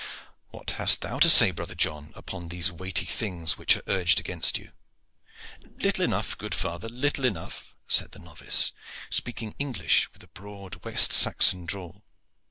"What hast thou to say, brother John, upon these weighty things which are urged against you?" "Little enough, good father, little enough," said the novice, speaking English with a broad West Saxon drawl.